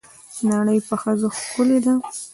نړۍ په ښځو ښکلې ده.